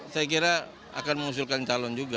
saya kira akan mengusulkan calon juga